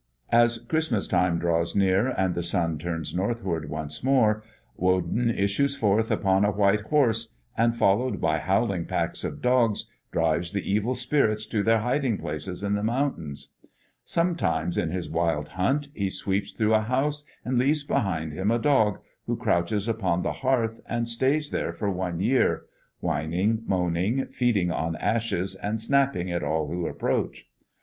As Christmas time draws near, and the sun turns northward once more, Woden issues forth upon a white horse, and, followed by howling packs of dogs, drives the evil spirits to their hiding places in the mountains. Sometimes in his wild hunt he sweeps through a house and leaves behind him a dog, who crouches upon the hearth and stays there for one year, whining, moaning, feeding on ashes, and snapping at all who approach.